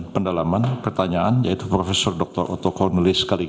pertanyaan kami kepada ahli